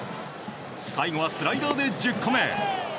最後はスライダーで１０個目。